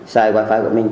xài wifi của mình